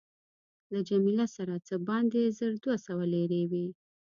له جميله سره څه باندې زر دوه سوه لیرې وې.